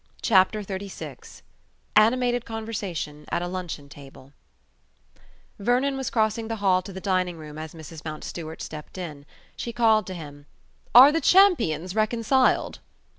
CHAPTER XXXVI ANIMATED CONVERSATION AT A LUNCHEON TABLE Vernon was crossing the hall to the dining room as Mrs Mountstuart stepped in. She called to him: "Are the champions reconciled?"